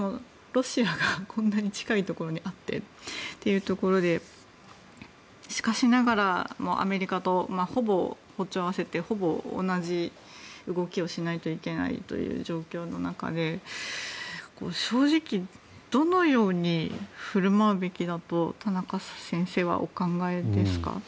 ロシアがこんなに近いところにあってというところでしかしながらアメリカとほぼ歩調を合わせてほぼ同じ動きをしないといけないという状況の中で正直どのように振る舞うべきだと田中先生はお考えですか？